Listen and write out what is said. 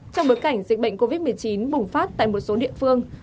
trong bối cảnh dịch bệnh covid một mươi chín bùng phát tại một số địa phương